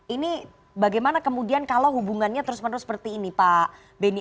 ini bagaimana kemudian kalau hubungannya terus menerus seperti ini pak beni